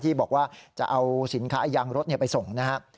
ที่บอกว่าจะเอาสินค้ายางรถเนี่ยไปส่งนะฮะ